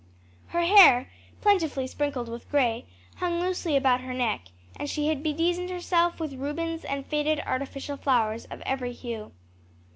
Her hair, plentifully sprinkled with grey, hung loosely about her neck, and she had bedizened herself with ribbons and faded artificial flowers of every hue.